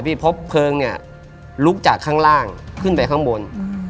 เพราะเพลิงลุกจากข้างล่างขึ้นไปข้างบน